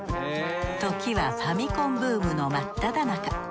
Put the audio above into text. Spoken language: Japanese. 時はファミコンブームの真っただ中。